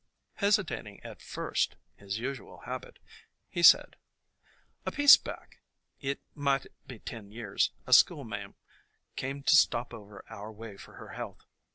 Hesitating at first, his usual habit, he said: "A piece back, it might be ten years, a schoolma'am came to stop over our way for her health.